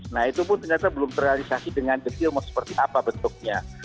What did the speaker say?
nah itu pun ternyata belum terrealisasi dengan detail mau seperti apa bentuknya